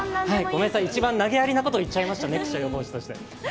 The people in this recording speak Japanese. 一番投げやりなことを言っちゃいましたね、気象予報士として。